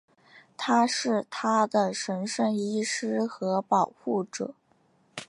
他是她的神圣医师和保护者。